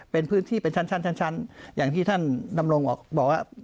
เป็นพื้นที่เป็นชั้นอย่างที่ท่านดำรงบอกว่า